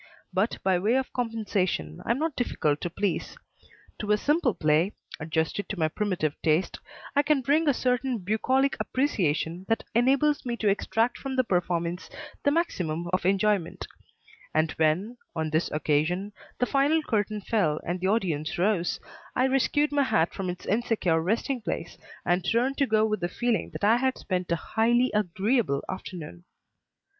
But, by way of compensation, I am not difficult to please. To a simple play, adjusted to my primitive taste, I can bring a certain bucolic appreciation that enables me to extract from the performance the maximum of enjoyment; and when, on this occasion, the final curtain fell and the audience rose, I rescued my hat from its insecure resting place and turned to go with the feeling that I had spent a highly agreeable afternoon.